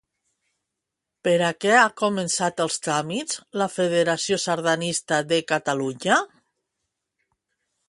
Per a què ha començat els tràmits la Confederació Sardanista de Catalunya?